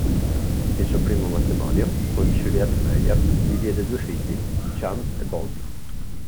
Il suo primo matrimonio, con Juliette Meyer, gli diede due figli, Jan e Bode.